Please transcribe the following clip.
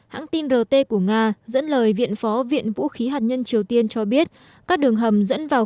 hãng tin rt của nga dẫn lời viện phó viện vũ khí hạt nhân triều tiên cho biết các đường hầm dẫn vào